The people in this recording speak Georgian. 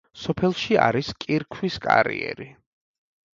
სოფელში არის კირქვის კარიერი.